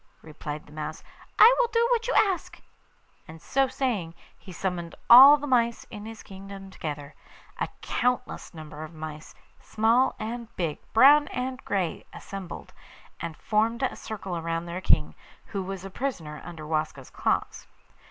replied the mouse; 'I will do what you ask.' And, so saying, he summoned all the mice in his kingdom together. A countless number of mice, small and big, brown and grey, assembled, and formed a circle round their king, who was a prisoner under Waska's claws.